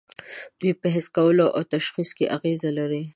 دوی په حس کولو او تشخیص کې اغیزه لري.